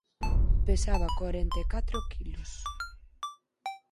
Pesaba corenta e catro quilos.